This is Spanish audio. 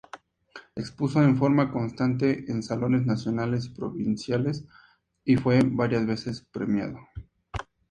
Expuso en forma constante en Salones Nacionales y Provinciales y fue varias veces premiado.